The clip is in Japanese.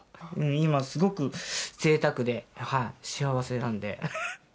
今、すごくぜいたくで幸せなんで。